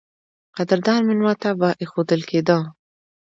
قدردان مېلمه ته به اېښودل کېده.